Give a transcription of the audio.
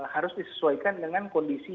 harus disesuaikan dengan kondisi